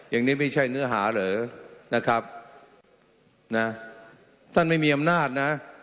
อย่างนี้ไม่ใช่เนื้อหาเหรอนะครับนะท่านไม่มีอำนาจนะ